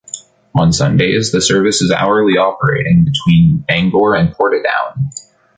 On Sundays, the service is hourly operating between Bangor and Portadown.